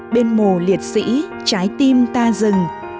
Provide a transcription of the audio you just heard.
bên mồ liệt sĩ trái tim ta dừng